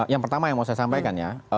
yang pertama yang mau saya sampaikan ya